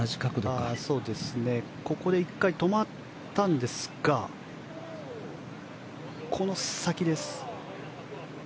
ここで１回止まったんですがこの先です。